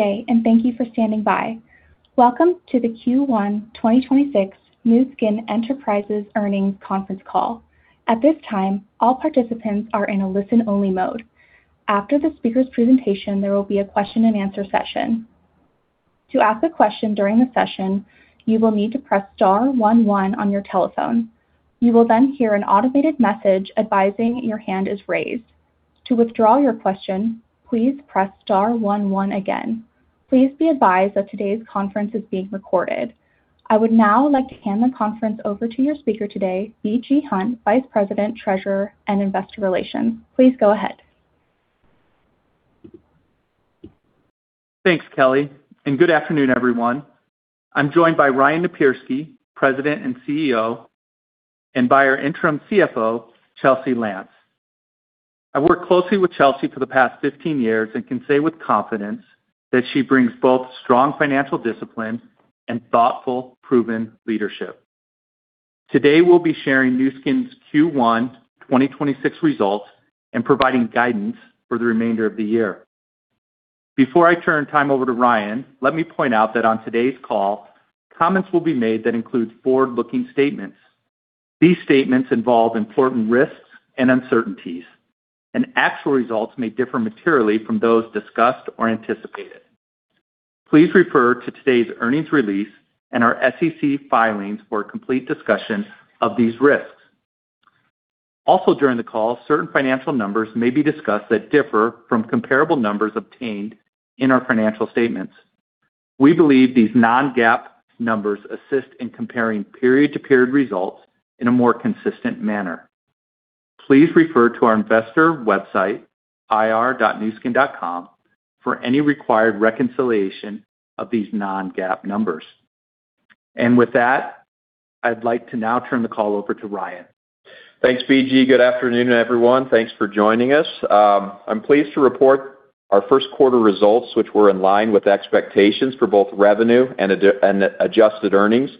Day, thank you for standing by. Welcome to the Q1 2026 Nu Skin Enterprises Earnings Conference Call. At this time, all participants are in a listen-only mode. After the speaker's presentation, there will be a question-and-answer session. To ask a question during the session, you will need to press star one one on your telephone. You will hear an automated message advising your hand is raised. To withdraw your question, please press star one one again. Please be advised that today's conference is being recorded. I would now like to hand the conference over to your speaker today, B.G. Hunt, Vice President, Treasurer, and Investor Relations. Please go ahead. Thanks, Kelly, and good afternoon, everyone. I'm joined by Ryan Napierski, President and CEO, and by our Interim CFO, Chelsea Lantz. I worked closely with Chelsea for the past 15 years and can say with confidence that she brings both strong financial discipline and thoughtful, proven leadership. Today, we'll be sharing Nu Skin's Q1 2026 results and providing guidance for the remainder of the year. Before I turn time over to Ryan, let me point out that on today's call, comments will be made that include forward-looking statements. These statements involve important risks and uncertainties, and actual results may differ materially from those discussed or anticipated. Please refer to today's earnings release and our SEC filings for a complete discussion of these risks. Also, during the call, certain financial numbers may be discussed that differ from comparable numbers obtained in our financial statements. We believe these non-GAAP numbers assist in comparing period-to-period results in a more consistent manner. Please refer to our investor website, ir.nuskin.com, for any required reconciliation of these non-GAAP numbers. With that, I'd like to now turn the call over to Ryan. Thanks, B.G. Good afternoon, everyone. Thanks for joining us. I'm pleased to report our first quarter results, which were in line with expectations for both revenue and adjusted earnings,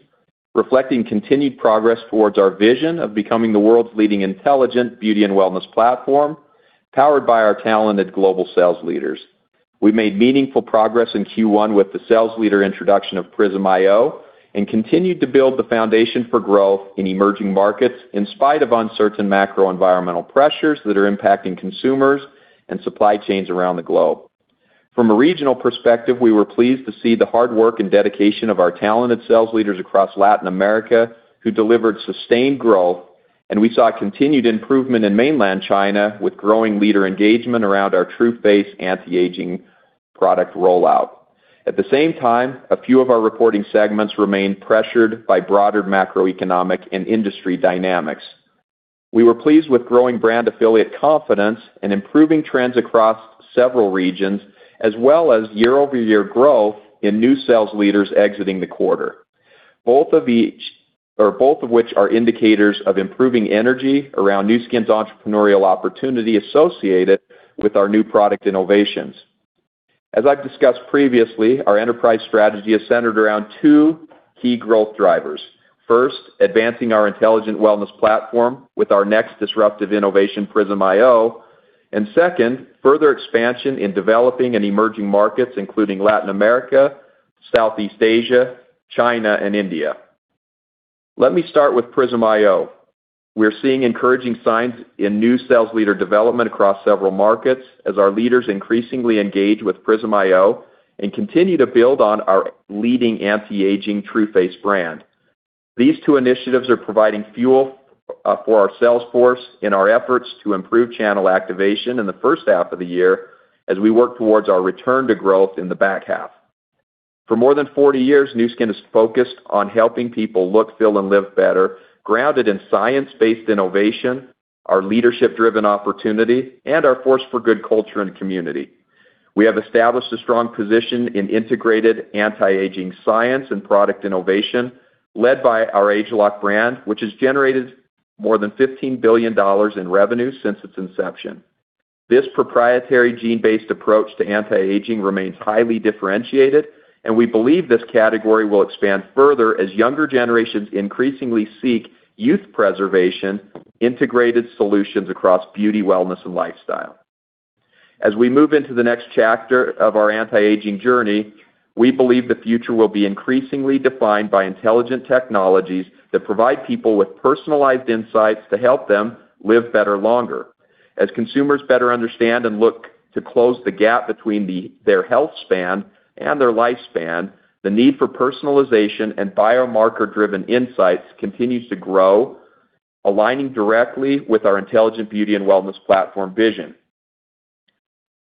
reflecting continued progress towards our vision of becoming the world's leading intelligent beauty and wellness platform, powered by our talented global sales leaders. We made meaningful progress in Q1 with the sales leader introduction of Prysm iO and continued to build the foundation for growth in emerging markets in spite of uncertain macroenvironmental pressures that are impacting consumers and supply chains around the globe. From a regional perspective, we were pleased to see the hard work and dedication of our talented sales leaders across Latin America, who delivered sustained growth, and we saw continued improvement in mainland China with growing leader engagement around our Tru Face anti-aging product rollout. At the same time, a few of our reporting segments remained pressured by broader macroeconomic and industry dynamics. We were pleased with growing brand affiliate confidence and improving trends across several regions, as well as year-over-year growth in new sales leaders exiting the quarter. Both of which are indicators of improving energy around Nu Skin's entrepreneurial opportunity associated with our new product innovations. As I've discussed previously, our enterprise strategy is centered around two key growth drivers. First, advancing our intelligent wellness platform with our next disruptive innovation, Prysm iO. Second, further expansion in developing and emerging markets, including Latin America, Southeast Asia, China, and India. Let me start with Prysm iO. We're seeing encouraging signs in new sales leader development across several markets as our leaders increasingly engage with Prysm iO and continue to build on our leading anti-aging Tru Face brand. These two initiatives are providing fuel for our sales force in our efforts to improve channel activation in the first half of the year as we work towards our return to growth in the back half. For more than 40 years, Nu Skin has focused on helping people look, feel, and live better, grounded in science-based innovation, our leadership-driven opportunity, and our Force for Good culture and community. We have established a strong position in integrated anti-aging science and product innovation led by our ageLOC brand, which has generated more than $15 billion in revenue since its inception. This proprietary gene-based approach to anti-aging remains highly differentiated, and we believe this category will expand further as younger generations increasingly seek youth preservation, integrated solutions across beauty, wellness, and lifestyle. As we move into the next chapter of our anti-aging journey, we believe the future will be increasingly defined by intelligent technologies that provide people with personalized insights to help them live better, longer. As consumers better understand and look to close the gap between their healthspan and their lifespan, the need for personalization and biomarker-driven insights continues to grow, aligning directly with our intelligent beauty and wellness platform vision.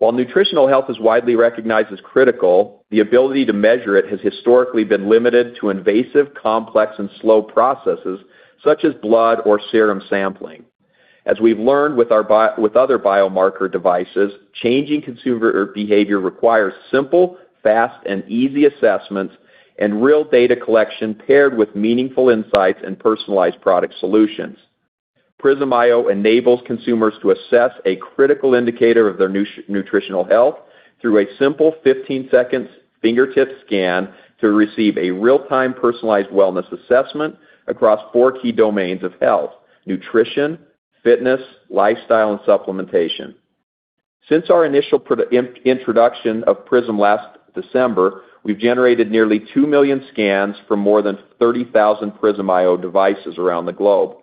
While nutritional health is widely recognized as critical, the ability to measure it has historically been limited to invasive, complex, and slow processes such as blood or serum sampling. As we've learned with our other biomarker devices, changing consumer behavior requires simple, fast, and easy assessments and real data collection paired with meaningful insights and personalized product solutions. Prysm iO enables consumers to assess a critical indicator of their nutritional health through a simple 15-second fingertip scan to receive a real-time personalized wellness assessment across four key domains of health: nutrition, fitness, lifestyle, and supplementation. Since our initial introduction of Prysm last December, we've generated nearly 2 million scans from more than 30,000 Prysm iO devices around the globe.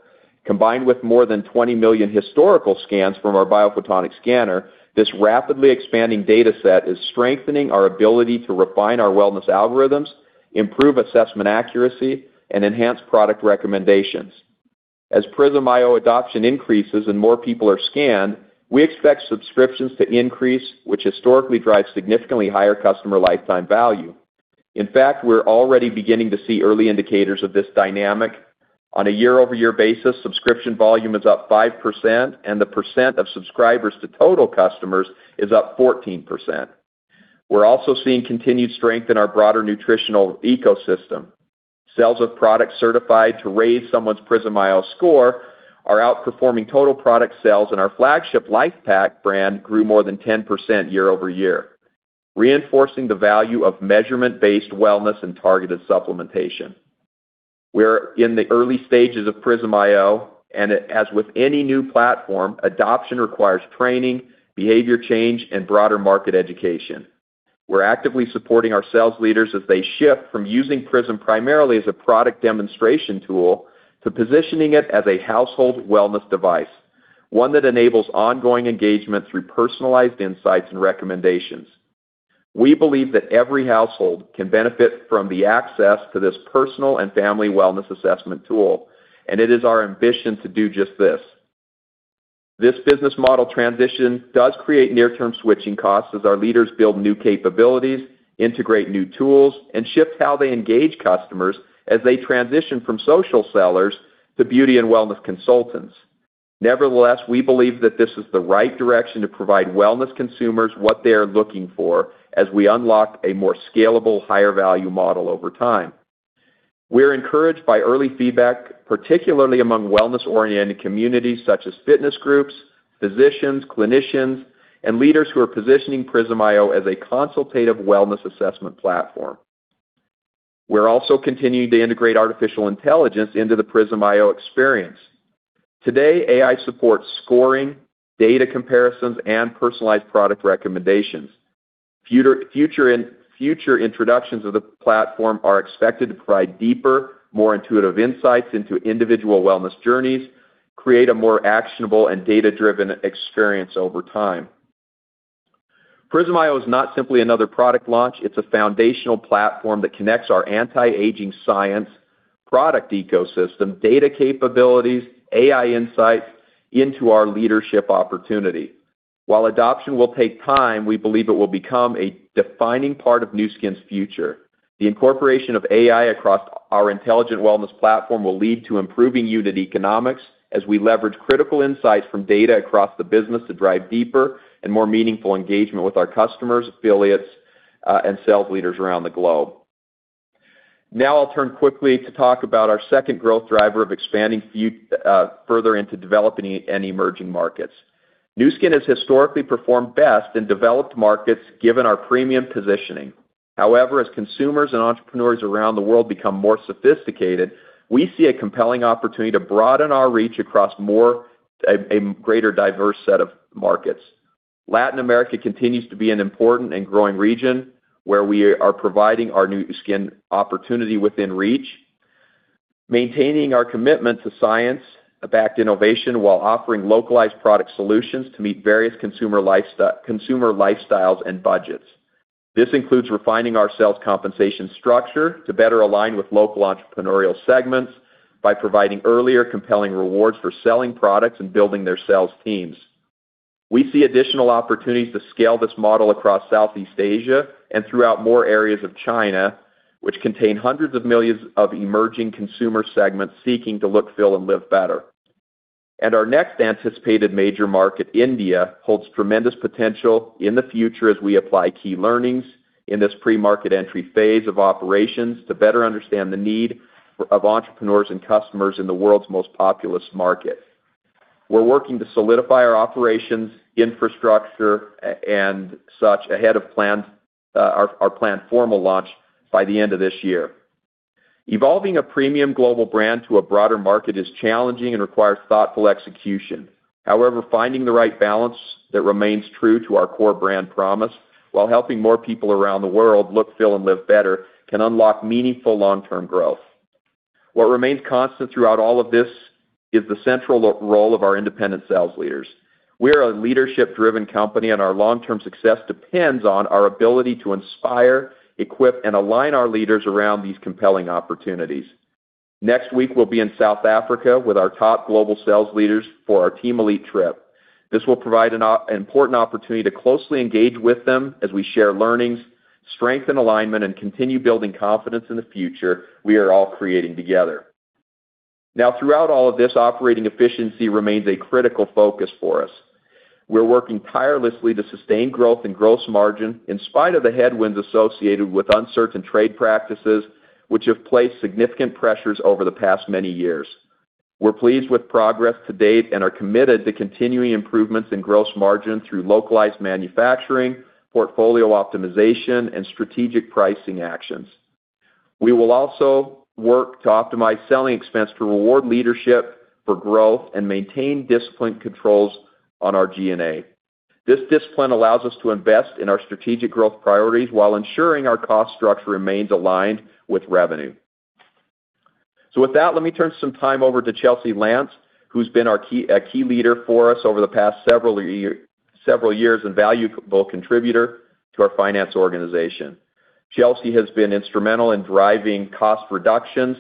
Combined with more than 20 million historical scans from our BioPhotonic Scanner, this rapidly expanding data set is strengthening our ability to refine our wellness algorithms, improve assessment accuracy, and enhance product recommendations. As Prysm iO adoption increases and more people are scanned, we expect subscriptions to increase, which historically drives significantly higher customer lifetime value. In fact, we're already beginning to see early indicators of this dynamic. On a year-over-year basis, subscription volume is up 5%, and the percent of subscribers to total customers is up 14%. We're also seeing continued strength in our broader nutritional ecosystem. Sales of products certified to raise someone's Prysm iO score are outperforming total product sales, and our flagship LifePak brand grew more than 10% year-over-year, reinforcing the value of measurement-based wellness and targeted supplementation. We're in the early stages of Prysm iO, and as with any new platform, adoption requires training, behavior change, and broader market education. We're actively supporting our sales leaders as they shift from using Prysm primarily as a product demonstration tool to positioning it as a household wellness device, one that enables ongoing engagement through personalized insights and recommendations. We believe that every household can benefit from the access to this personal and family wellness assessment tool, and it is our ambition to do just this. This business model transition does create near-term switching costs as our leaders build new capabilities, integrate new tools, and shift how they engage customers as they transition from social sellers to beauty and wellness consultants. Nevertheless, we believe that this is the right direction to provide wellness consumers what they are looking for as we unlock a more scalable, higher-value model over time. We're encouraged by early feedback, particularly among wellness-oriented communities such as fitness groups, physicians, clinicians, and leaders who are positioning Prysm iO as a consultative wellness assessment platform. We're also continuing to integrate artificial intelligence into the Prysm iO experience. Today, AI supports scoring, data comparisons, and personalized product recommendations. Future introductions of the platform are expected to provide deeper, more intuitive insights into individual wellness journeys, create a more actionable and data-driven experience over time. Prysm iO is not simply another product launch. It's a foundational platform that connects our anti-aging science, product ecosystem, data capabilities, AI insights into our leadership opportunity. While adoption will take time, we believe it will become a defining part of Nu Skin's future. The incorporation of AI across our intelligent wellness platform will lead to improving unit economics as we leverage critical insights from data across the business to drive deeper and more meaningful engagement with our customers, affiliates, and sales leaders around the globe. I'll turn quickly to talk about our second growth driver of expanding further into developing and emerging markets. Nu Skin has historically performed best in developed markets given our premium positioning. However, as consumers and entrepreneurs around the world become more sophisticated, we see a compelling opportunity to broaden our reach across a greater diverse set of markets. Latin America continues to be an important and growing region where we are providing our Nu Skin opportunity within reach, maintaining our commitment to science-backed innovation while offering localized product solutions to meet various consumer lifestyles and budgets. This includes refining our sales compensation structure to better align with local entrepreneurial segments by providing earlier compelling rewards for selling products and building their sales teams. We see additional opportunities to scale this model across Southeast Asia and throughout more areas of China, which contain hundreds of millions of emerging consumer segments seeking to look, feel, and live better. Our next anticipated major market, India, holds tremendous potential in the future as we apply key learnings in this pre-market entry phase of operations to better understand the need of entrepreneurs and customers in the world's most populous market. We're working to solidify our operations, infrastructure, and such ahead of planned formal launch by the end of this year. Evolving a premium global brand to a broader market is challenging and requires thoughtful execution. However, finding the right balance that remains true to our core brand promise while helping more people around the world look, feel, and live better can unlock meaningful long-term growth. What remains constant throughout all of this is the central role of our independent sales leaders. We are a leadership-driven company, and our long-term success depends on our ability to inspire, equip, and align our leaders around these compelling opportunities. Next week, we'll be in South Africa with our top global sales leaders for our Team Elite trip. This will provide an important opportunity to closely engage with them as we share learnings, strengthen alignment, and continue building confidence in the future we are all creating together. Throughout all of this, operating efficiency remains a critical focus for us. We're working tirelessly to sustain growth and gross margin in spite of the headwinds associated with uncertain trade practices, which have placed significant pressures over the past many years. We're pleased with progress to date and are committed to continuing improvements in gross margin through localized manufacturing, portfolio optimization, and strategic pricing actions. We will also work to optimize selling expense to reward leadership for growth and maintain disciplined controls on our G&A. This discipline allows us to invest in our strategic growth priorities while ensuring our cost structure remains aligned with revenue. With that, let me turn some time over to Chelsea Lantz, who's been a key leader for us over the past several years and valuable contributor to our finance organization. Chelsea has been instrumental in driving cost reductions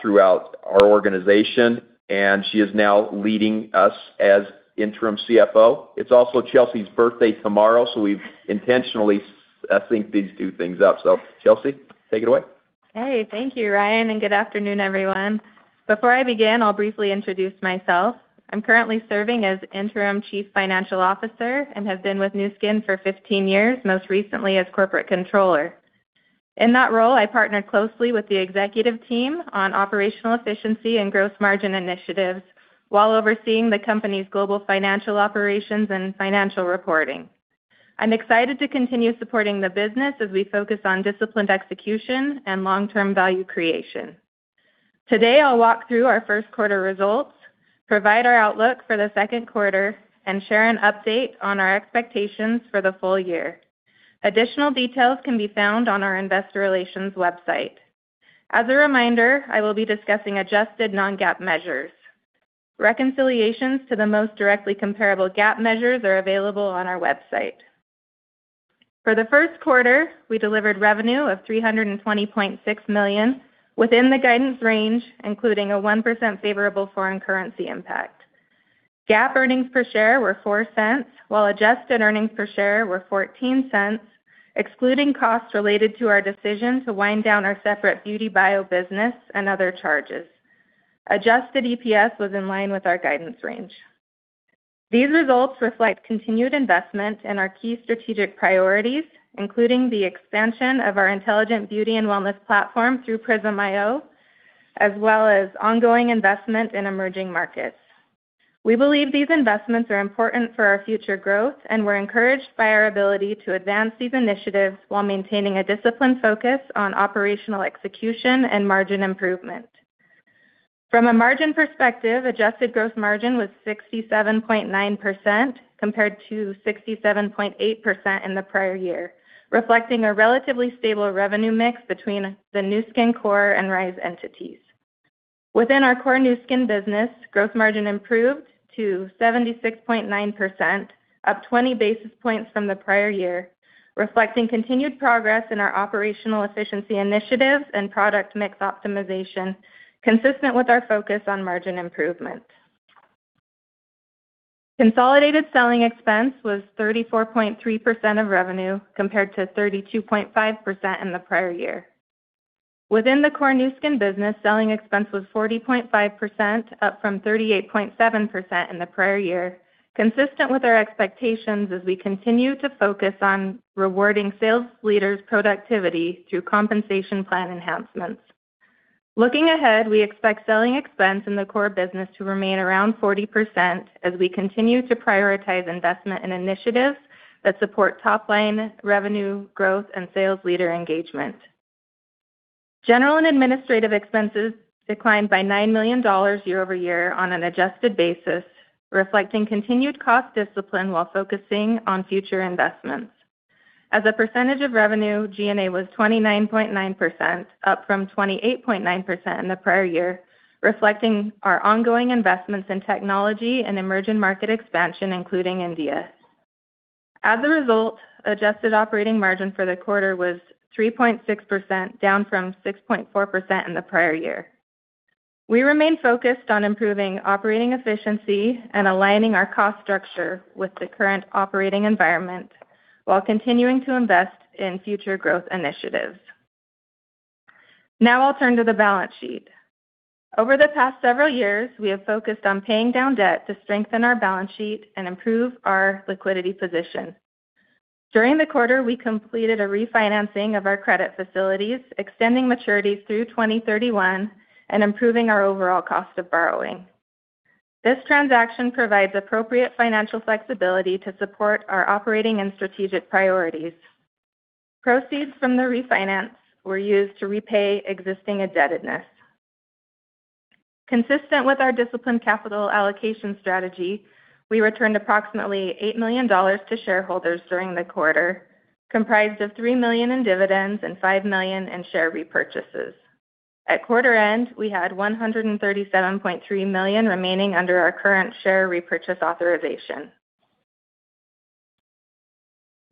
throughout our organization, and she is now leading us as interim CFO. It's also Chelsea's birthday tomorrow, so we've intentionally synced these two things up. Chelsea, take it away. Hey. Thank you, Ryan. Good afternoon, everyone. Before I begin, I'll briefly introduce myself. I'm currently serving as interim chief financial officer and have been with Nu Skin for 15 years, most recently as corporate controller. In that role, I partnered closely with the executive team on operational efficiency and gross margin initiatives while overseeing the company's global financial operations and financial reporting. I'm excited to continue supporting the business as we focus on disciplined execution and long-term value creation. Today, I'll walk through our first quarter results, provide our outlook for the second quarter, and share an update on our expectations for the full year. Additional details can be found on our ir.nuskin.com. As a reminder, I will be discussing adjusted non-GAAP measures. Reconciliations to the most directly comparable GAAP measures are available on our website. For the first quarter, we delivered revenue of $320.6 million, within the guidance range, including a 1% favorable foreign currency impact. GAAP earnings per share were $0.04, while adjusted earnings per share were $0.14, excluding costs related to our decision to wind down our separate BeautyBio business and other charges. Adjusted EPS was in line with our guidance range. These results reflect continued investment in our key strategic priorities, including the expansion of our intelligent beauty and wellness platform through Prysm iO, as well as ongoing investment in emerging markets. We believe these investments are important for our future growth, and we're encouraged by our ability to advance these initiatives while maintaining a disciplined focus on operational execution and margin improvement. From a margin perspective, adjusted gross margin was 67.9% compared to 67.8% in the prior year, reflecting a relatively stable revenue mix between the Nu Skin core and Rhyz entities. Within our core Nu Skin business, gross margin improved to 76.9%, up 20 basis points from the prior year, reflecting continued progress in our operational efficiency initiatives and product mix optimization consistent with our focus on margin improvement. Consolidated selling expense was 34.3% of revenue compared to 32.5% in the prior year. Within the core Nu Skin business, selling expense was 40.5%, up from 38.7% in the prior year, consistent with our expectations as we continue to focus on rewarding sales leaders' productivity through compensation plan enhancements. Looking ahead, we expect selling expense in the core business to remain around 40% as we continue to prioritize investment in initiatives that support top-line revenue growth and sales leader engagement. General and administrative expenses declined by $9 million year-over-year on an adjusted basis, reflecting continued cost discipline while focusing on future investments. As a percentage of revenue, G&A was 29.9%, up from 28.9% in the prior year, reflecting our ongoing investments in technology and emerging market expansion, including India. As a result, adjusted operating margin for the quarter was 3.6%, down from 6.4% in the prior year. We remain focused on improving operating efficiency and aligning our cost structure with the current operating environment while continuing to invest in future growth initiatives. Now I'll turn to the balance sheet. Over the past several years, we have focused on paying down debt to strengthen our balance sheet and improve our liquidity position. During the quarter, we completed a refinancing of our credit facilities, extending maturities through 2031 and improving our overall cost of borrowing. This transaction provides appropriate financial flexibility to support our operating and strategic priorities. Proceeds from the refinance were used to repay existing indebtedness. Consistent with our disciplined capital allocation strategy, we returned approximately $8 million to shareholders during the quarter, comprised of $3 million in dividends and $5 million in share repurchases. At quarter end, we had $137.3 million remaining under our current share repurchase authorization.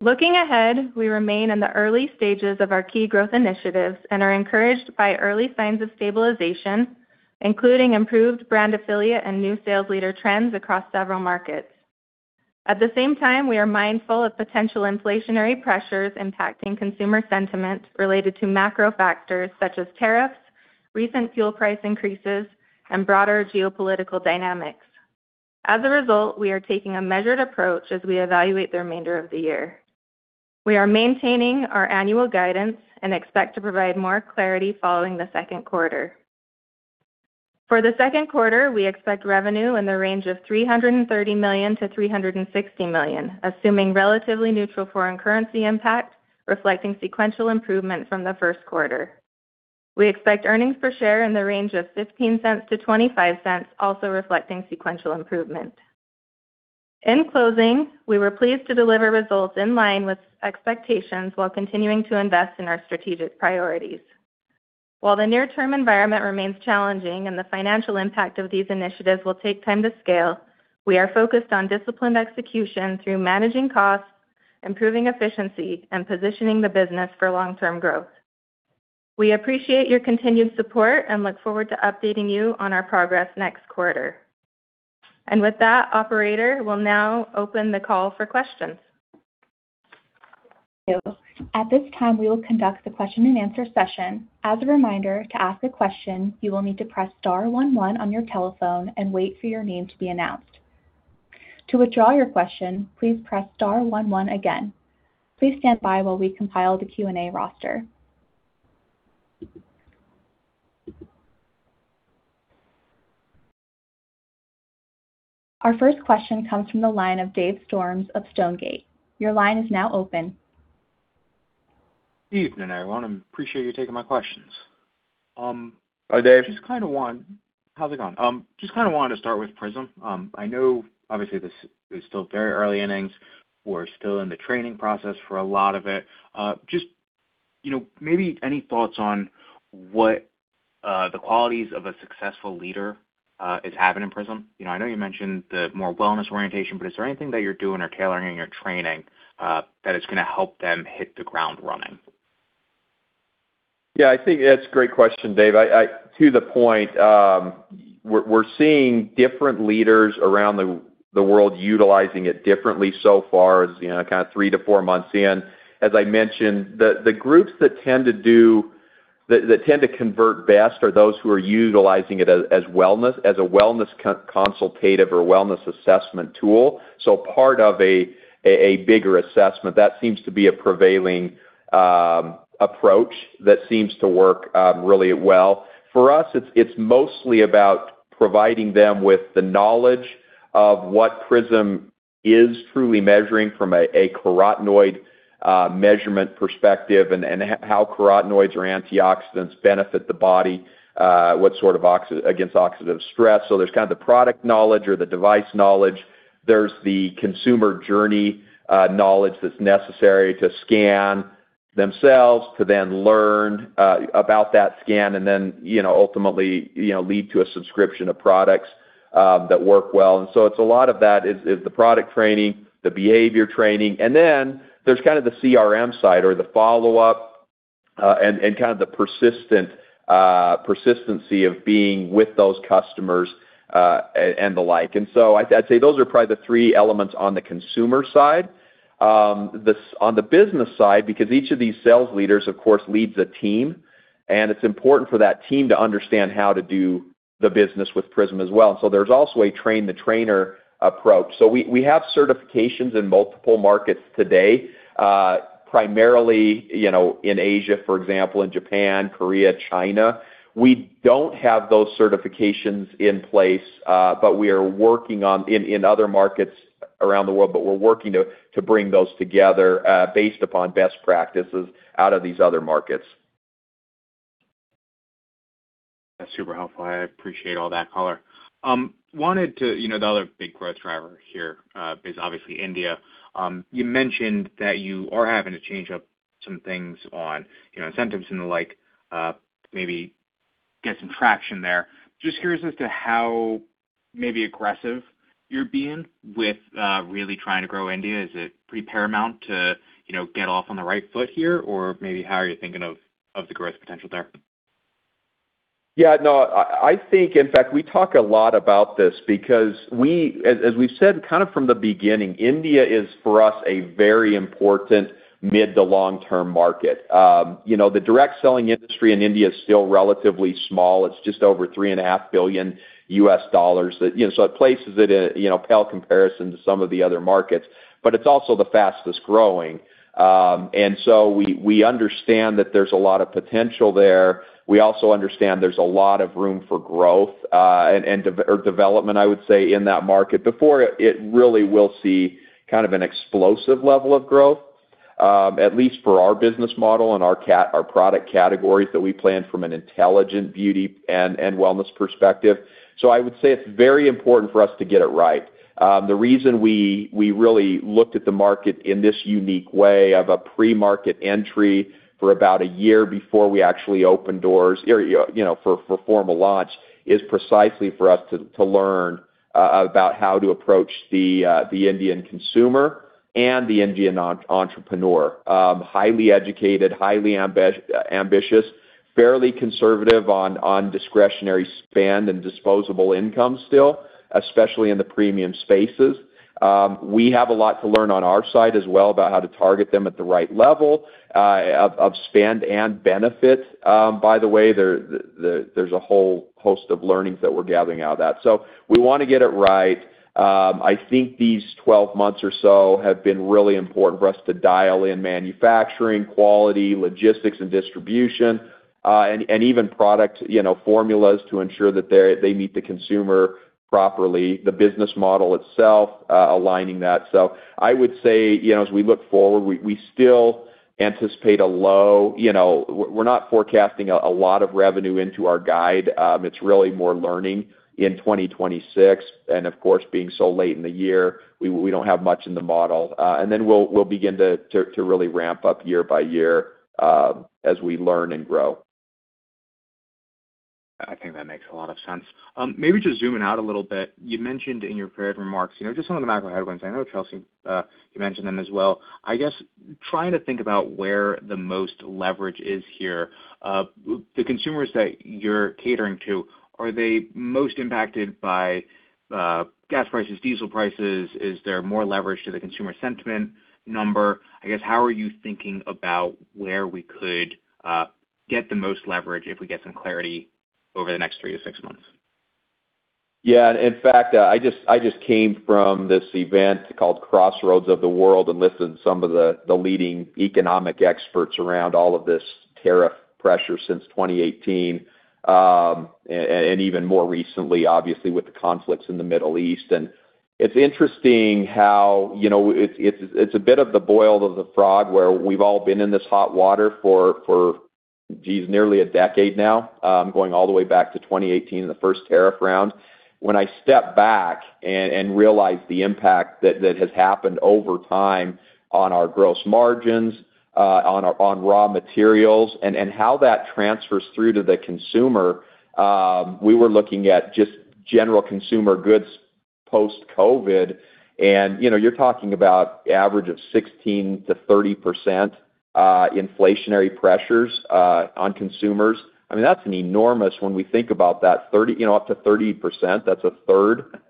Looking ahead, we remain in the early stages of our key growth initiatives and are encouraged by early signs of stabilization, including improved brand affiliate and new sales leader trends across several markets. At the same time, we are mindful of potential inflationary pressures impacting consumer sentiment related to macro factors such as tariffs, recent fuel price increases, and broader geopolitical dynamics. As a result, we are taking a measured approach as we evaluate the remainder of the year. We are maintaining our annual guidance and expect to provide more clarity following the second quarter. For the second quarter, we expect revenue in the range of $330 million-$360 million, assuming relatively neutral foreign currency impact, reflecting sequential improvement from the first quarter. We expect earnings per share in the range of $0.15-$0.25, also reflecting sequential improvement. In closing, we were pleased to deliver results in line with expectations while continuing to invest in our strategic priorities. While the near-term environment remains challenging and the financial impact of these initiatives will take time to scale, we are focused on disciplined execution through managing costs, improving efficiency, and positioning the business for long-term growth. We appreciate your continued support and look forward to updating you on our progress next quarter. With that, operator, we'll now open the call for questions. Thank you. At this time, we will conduct the question-and-answer session. As a reminder, to ask a question, you will need to press star one one on your telephone and wait for your name to be announced. To withdraw your question, please press star one one again. Please stand by while we compile the Q&A roster. Our first question comes from the line of Dave Storms of Stonegate Capital Partners. Your line is now open. Evening, everyone. Appreciate you taking my questions. Hi, Dave. How's it going? Just wanted to start with Prysm iO. I know obviously this is still very early innings. We're still in the training process for a lot of it. Just, you know, maybe any thoughts on what the qualities of a successful leader is having in Prysm iO. You know, I know you mentioned the more wellness orientation, is there anything that you're doing or tailoring in your training that is gonna help them hit the ground running? Yeah, I think that's a great question, Dave. I to the point, we're seeing different leaders around the world utilizing it differently so far as, you know, kinda three to four months in. As I mentioned, the groups that tend to convert best are those who are utilizing it as wellness, as a wellness consultative or wellness assessment tool, so part of a bigger assessment. That seems to be a prevailing approach that seems to work really well. For us, it's mostly about providing them with the knowledge of what Prysm iO is truly measuring from a carotenoid measurement perspective and how carotenoids or antioxidants benefit the body, against oxidative stress. There's kind of the product knowledge or the device knowledge. There's the consumer journey, knowledge that's necessary to scan themselves to then learn about that scan and then, you know, ultimately, you know, lead to a subscription of products that work well. It's a lot of that is the product training, the behavior training. There's kind of the CRM side or the follow-up, and kind of the persistency of being with those customers and the like. I'd say those are probably the three elements on the consumer side. On the business side, because each of these sales leaders, of course, leads a team, and it's important for that team to understand how to do the business with Prysm iO as well. There's also a train-the-trainer approach. We have certifications in multiple markets today, primarily, you know, in Asia, for example, in Japan, Korea, China. We don't have those certifications in place, but we are working on in other markets around the world, but we're working to bring those together, based upon best practices out of these other markets. That's super helpful. I appreciate all that color. Wanted to. You know, the other big growth driver here, is obviously India. You mentioned that you are having to change up some things on, you know, incentives and the like, maybe get some traction there. Just curious as to how maybe aggressive you're being with, really trying to grow India. Is it pretty paramount to, you know, get off on the right foot here? Or maybe how are you thinking of the growth potential there? I think, in fact, we talk a lot about this because we've said kind of from the beginning, India is, for us, a very important mid to long-term market. You know, the direct selling industry in India is still relatively small. It's just over $3.5 billion. You know, it places it in, you know, pale comparison to some of the other markets, but it's also the fastest-growing. We understand that there's a lot of potential there. We also understand there's a lot of room for growth and development, I would say, in that market before it really will see kind of an explosive level of growth, at least for our business model and our product categories that we plan from an intelligent beauty and wellness perspective. I would say it's very important for us to get it right. The reason we really looked at the market in this unique way of a pre-market entry for about one year before we actually opened doors, or, you know, for formal launch, is precisely for us to learn about how to approach the Indian consumer and the Indian entrepreneur. Highly educated, highly ambitious, fairly conservative on discretionary spend and disposable income still, especially in the premium spaces. We have a lot to learn on our side as well about how to target them at the right level of spend and benefit. By the way, there's a whole host of learnings that we're gathering out of that. We wanna get it right. I think these 12 months or so have been really important for us to dial in manufacturing, quality, logistics, and distribution. Even product, you know, formulas to ensure that they meet the consumer properly. The business model itself, aligning that. I would say, you know, as we look forward, we're not forecasting a lot of revenue into our guide. It's really more learning in 2026. Of course, being so late in the year, we don't have much in the model. Then we'll begin to really ramp up year by year as we learn and grow. I think that makes a lot of sense. Maybe just zooming out a little bit, you mentioned in your prepared remarks, you know, just some of the macro headwinds. I know Chelsea, you mentioned them as well. I guess trying to think about where the most leverage is here. The consumers that you're catering to, are they most impacted by gas prices, diesel prices? Is there more leverage to the consumer sentiment number? I guess, how are you thinking about where we could get the most leverage if we get some clarity over the next three to six months? Yeah. In fact, I just came from this event called Crossroads of the World and listened to some of the leading economic experts around all of this tariff pressure since 2018, and even more recently, obviously, with the conflicts in the Middle East. It's interesting how, you know, it's a bit of the boil of the frog, where we've all been in this hot water for, geez, nearly a decade now, going all the way back to 2018 and the first tariff round. When I step back and realize the impact that has happened over time on our gross margins, on raw materials and how that transfers through to the consumer, we were looking at just general consumer goods post-COVID. You know, you're talking about average of 16%-30% inflationary pressures on consumers. I mean, when we think about that 30%, you know, up to 30%, that's a third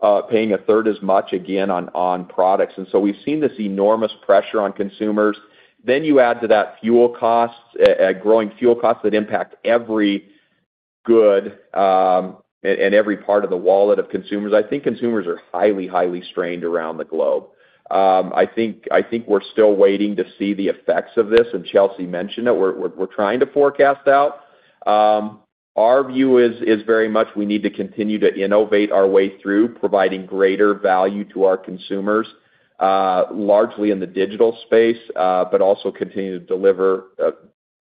of paying a third as much again on products. We've seen this enormous pressure on consumers. You add to that fuel costs, growing fuel costs that impact every good and every part of the wallet of consumers. I think consumers are highly strained around the globe. I think we're still waiting to see the effects of this, and Chelsea mentioned it. We're trying to forecast out. Our view is very much we need to continue to innovate our way through providing greater value to our consumers, largely in the digital space, but also continue to deliver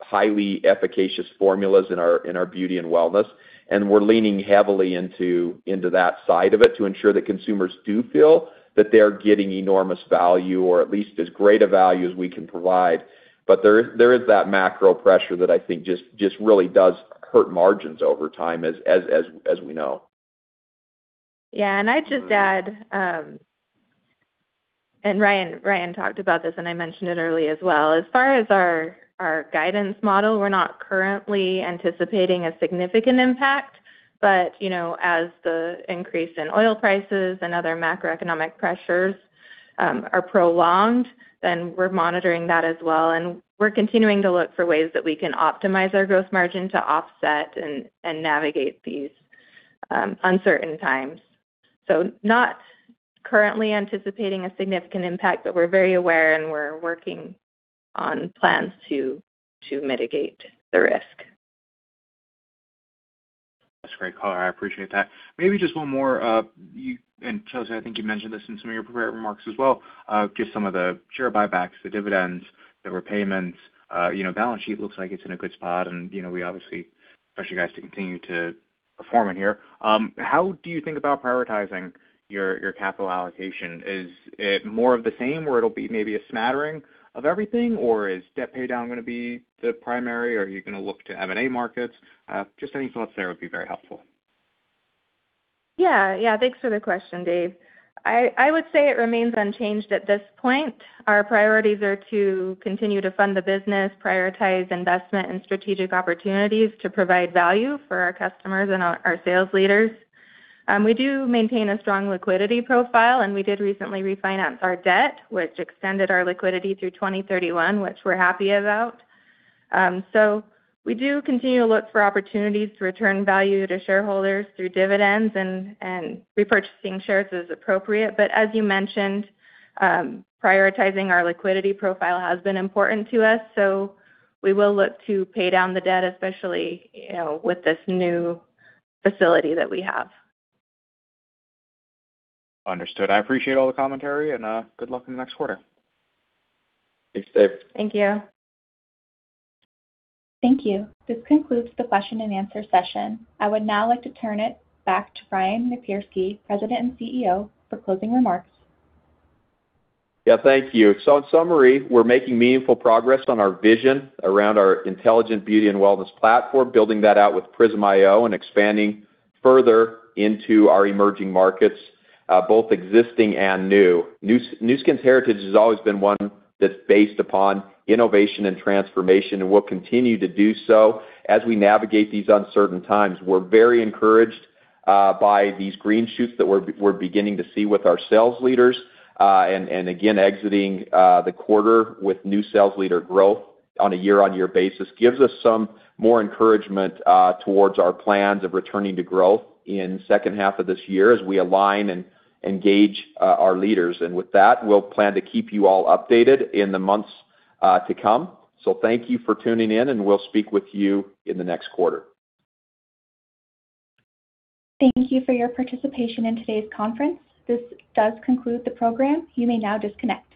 highly efficacious formulas in our beauty and wellness. We're leaning heavily into that side of it to ensure that consumers do feel that they are getting enormous value or at least as great a value as we can provide. There is that macro pressure that I think just really does hurt margins over time as we know. Yeah. I'd just add, Ryan talked about this, and I mentioned it earlier as well. As far as our guidance model, we're not currently anticipating a significant impact. You know, as the increase in oil prices and other macroeconomic pressures are prolonged, then we're monitoring that as well. We're continuing to look for ways that we can optimize our gross margin to offset and navigate these uncertain times. Not currently anticipating a significant impact, but we're very aware, and we're working on plans to mitigate the risk. That's great color. I appreciate that. Maybe just one more. Chelsea, I think you mentioned this in some of your prepared remarks as well. Just some of the share buybacks, the dividends, the repayments. You know, balance sheet looks like it's in a good spot, and, you know, we obviously expect you guys to continue to perform in here. How do you think about prioritizing your capital allocation? Is it more of the same, where it'll be maybe a smattering of everything? Is debt paydown gonna be the primary? Are you gonna look to M&A markets? Just any thoughts there would be very helpful. Yeah. Yeah, thanks for the question, Dave. I would say it remains unchanged at this point. Our priorities are to continue to fund the business, prioritize investment and strategic opportunities to provide value for our customers and our sales leaders. We do maintain a strong liquidity profile, and we did recently refinance our debt, which extended our liquidity through 2031, which we're happy about. We do continue to look for opportunities to return value to shareholders through dividends and repurchasing shares as appropriate. As you mentioned, prioritizing our liquidity profile has been important to us, so we will look to pay down the debt, especially, you know, with this new facility that we have. Understood. I appreciate all the commentary. Good luck in the next quarter. Thanks, Dave. Thank you. Thank you. This concludes the question-and-answer session. I would now like to turn it back to Ryan Napierski, President and CEO, for closing remarks. Thank you. In summary, we're making meaningful progress on our vision around our intelligent beauty and wellness platform, building that out with Prysm iO and expanding further into our emerging markets, both existing and new. Nu Skin's heritage has always been one that's based upon innovation and transformation, and we'll continue to do so as we navigate these uncertain times. We're very encouraged by these green shoots that we're beginning to see with our sales leaders. Again, exiting the quarter with new sales leader growth on a year-on-year basis gives us some more encouragement towards our plans of returning to growth in second half of this year as we align and engage our leaders. With that, we'll plan to keep you all updated in the months to come. Thank you for tuning in, and we'll speak with you in the next quarter. Thank you for your participation in today's conference. This does conclude the program. You may now disconnect.